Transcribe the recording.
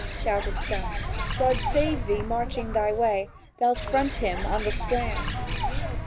shouted some: "God save thee, marching thy way, Th'lt front him on the strand!"